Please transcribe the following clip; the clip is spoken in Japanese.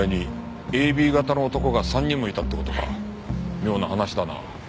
妙な話だな。